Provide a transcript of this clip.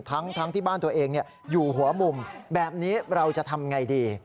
ทั้งที่บ้านตัวเองอยู่หัวมุมแบบนี้เราจะทำไงดี